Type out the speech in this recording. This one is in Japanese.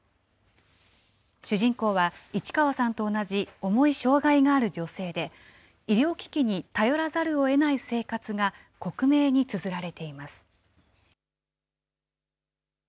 主人公は市川さんと同じ重い障害がある女性で、医療機器に頼らざるをえない生活が克明につづられています。